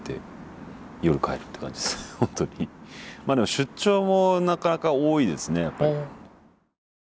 まあでも出張もなかなか多いですねやっぱり。